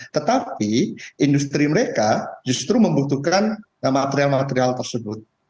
tetapi industri mereka justru membutuhkan material material tersebut